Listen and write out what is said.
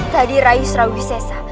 tadi raih sarawis sesa